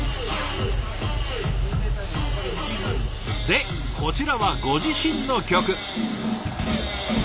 でこちらはご自身の曲。